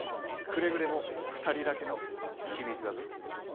くれぐれも二人だけの秘密だぞ。